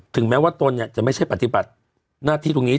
ถึงแม้ว่าตนจะไม่ใช่ปฏิบัติหน้าที่ตรงนี้